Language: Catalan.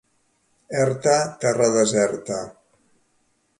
Erta, terra deserta.